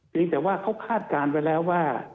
แต่ว่าเขาคาดการณ์ไว้แล้วว่า